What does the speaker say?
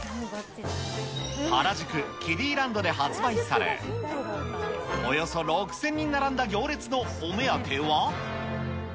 原宿・キディランドで発売され、およそ６０００人並んだ行列のお目当ては。